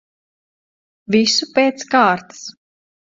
Visu pēc kārtas.